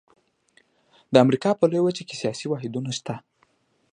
د امریکا په لویه وچه کې سیاسي واحدونه شته.